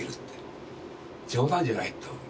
冗談じゃないと。